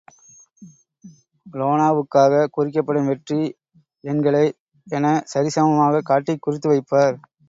லோனாவுக்காகக் குறிக்கப்படும் வெற்றி எண்களை என சரி சமமாகக் காட்டிக் குறித்து வைப்பார்.